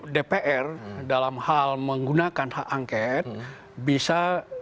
dpr dalam hal menggunakan hak angket bisa